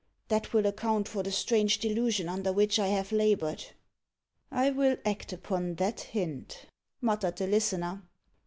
That will account for the strange delusion under which I have laboured." "I will act upon that hint," muttered the listener.